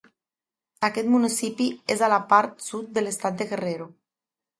Aquest municipi és a la part sud de l'estat de Guerrero.